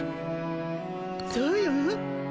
そうよ。